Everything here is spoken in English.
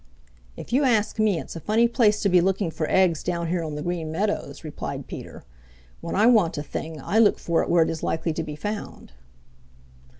"If you ask me, it's a funny place to be looking for eggs down here on the Green Meadows," replied Peter. "When I want a thing; I look for it where it is likely to be found."